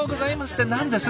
って何です？